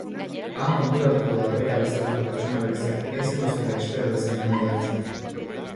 Han konturatuko da bera bezalako pertsona bereziak ez dituztela espero bezain ongi hartzen.